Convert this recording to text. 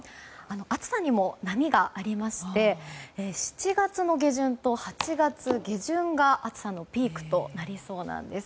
暑さにも波がありまして７月下旬と８月下旬が暑さのピークとなりそうなんです。